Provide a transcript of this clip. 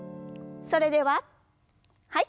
それでははい。